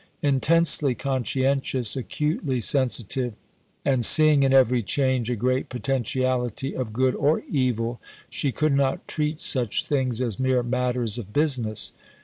Intensely conscientious, acutely sensitive, and seeing in every change a great potentiality of good or evil, she could not treat such things as mere matters of business.